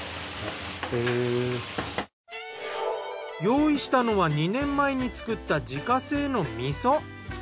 用意したのは２年前に造った自家製の味噌。